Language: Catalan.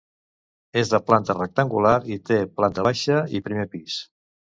És de planta rectangular i té planta baixa i primer pis.